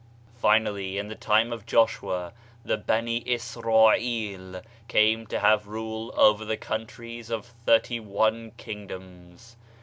Finally in the time of Joshua the Bani Israel came to have rule over the countries of thirty one kingdoms.